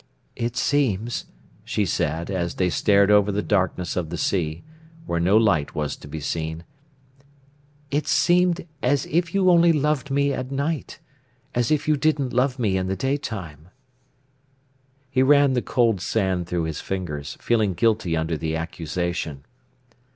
"It seems," she said, as they stared over the darkness of the sea, where no light was to be seen—"it seemed as if you only loved me at night—as if you didn't love me in the daytime." He ran the cold sand through his fingers, feeling guilty under the accusation.